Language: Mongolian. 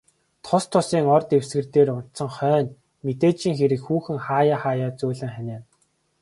Тус тусын ор дэвсгэр дээр унтсан хойно, мэдээжийн хэрэг хүүхэн хааяа хааяа зөөлөн ханиана.